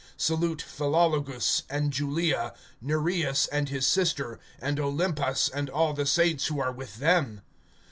(15)Salute Philologus, and Julia, Nereus and his sister, and Olympas, and all the saints who are with them.